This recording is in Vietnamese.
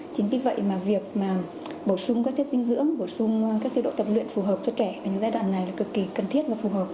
chính vì vậy mà việc bổ sung các chất dinh dưỡng bổ sung các chế độ tập luyện phù hợp cho trẻ ở những giai đoạn này là cực kỳ cần thiết và phù hợp